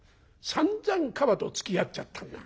さんざんカバとつきあっちゃったんだ。